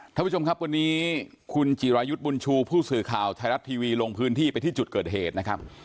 ท่านผู้ชมครับวันนี้คุณจิรายุทธ์บุญชูผู้สื่อข่าวไทยรัฐทีวีลงพื้นที่ไปที่จุดเกิดเหตุนะครับ